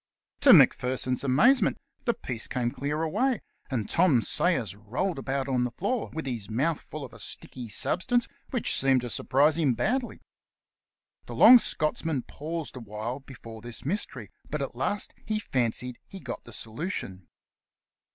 To Macpherson's amazement the piece came 27 The Cast iron Canvasser clear away, and Tom Sayers rolled about on the floor with his mouth full of a sticky substance which seemed to surprise him badly. The long Scotchman paused awhile before this mystery, but at last he fancied he had got the solution.